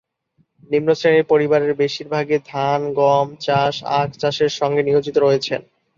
নিম্ন শ্রেণীর পরিবারের বেশিরভাগই ধান চাষ, গম চাষ, আখ চাষের সঙ্গে নিয়োজিত রয়েছেন।